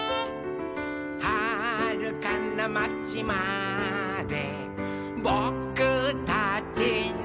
「はるかなまちまでぼくたちの」